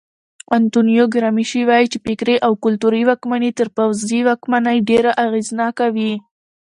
انتونیو ګرامشي وایي چې فکري او کلتوري واکمني تر پوځي واکمنۍ ډېره اغېزناکه وي.